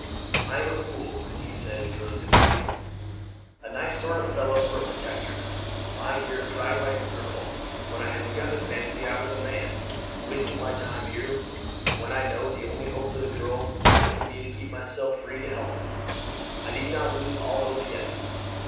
"I am a fool," he said as he rose to his feet; "a nice sort of fellow for a protector, lying here crying like a girl when I had begun to fancy I was a man; wasting my time here when I know the only hope for the girls is for me to keep myself free to help them. I need not lose all hope yet.